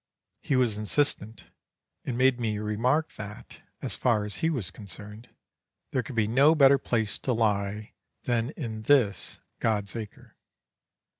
He was insistent, and made me remark that, as far as he was concerned, there could be no better place to lie than in this God's Acre.